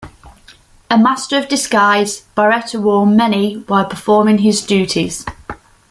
A master of disguise, Baretta wore many while performing his duties.